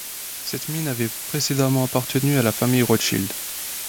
Cette mine avait précédemment appartenu à la famille Rothschild.